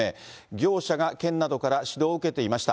業者が県などから指導を受けていました。